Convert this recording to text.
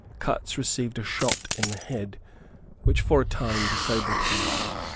Cutts received a shot in the head which for a time disabled him.